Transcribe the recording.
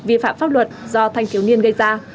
vi phạm pháp luật do thanh thiếu niên gây ra